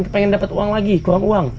pengen dapat uang lagi kurang uang